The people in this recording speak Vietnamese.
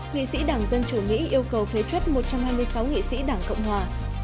nghị sĩ đảng dân chủ mỹ yêu cầu phế truất một trăm hai mươi sáu nghị sĩ đảng cộng hòa